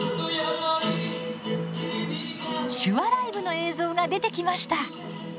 手話ライブの映像が出てきました！